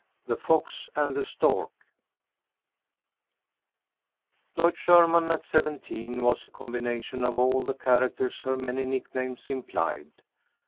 THE FOX AND THE STORK Lloyd Sherman at seventeen was a combination of all the characters her many nicknames implied.